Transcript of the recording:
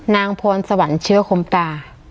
นางพรสวรรค์เชื้อคมตา